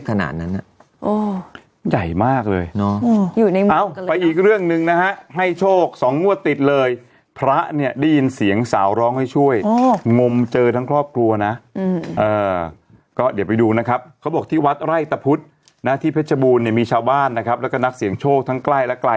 ขนาดน่ะยาวน่ะหกเมตรอ่ะหกเมตรห้าสิบเซนแหนะ